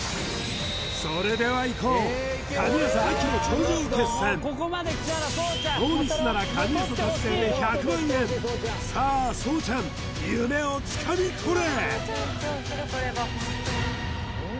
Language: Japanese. それではいこうノーミスなら神業達成で１００万円さあそうちゃん夢をつかみ取れ！